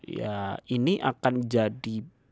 ya ini akan jadi